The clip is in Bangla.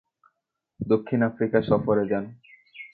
দক্ষিণ আফ্রিকা সফরে যান।